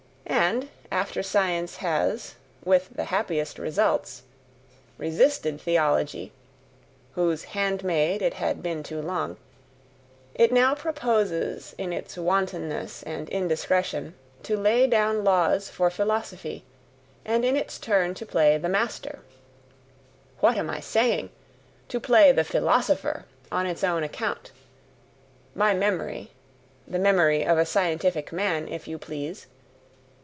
and after science has, with the happiest results, resisted theology, whose "hand maid" it had been too long, it now proposes in its wantonness and indiscretion to lay down laws for philosophy, and in its turn to play the "master" what am I saying! to play the PHILOSOPHER on its own account. My memory the memory of a scientific man, if you please!